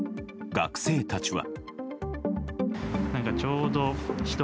学生たちは。